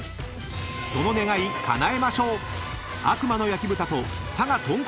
［その願いかなえましょう］